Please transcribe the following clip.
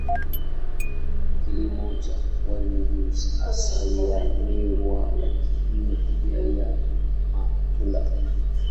Kilimo cha pwani ni hasa ya miwa lakini pia ya matunda.